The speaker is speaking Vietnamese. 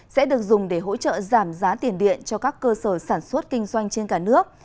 sẽ được dùng để hỗ trợ giảm giá tiền điện cho các cơ sở sản xuất kinh doanh trên cả nước